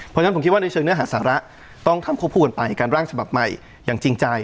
เพราะฉะนั้นผมคิดว่าในเชิงเนื้อหาสาระต้องทำควบคู่กันไปการร่างฉบับใหม่อย่างจริงใจ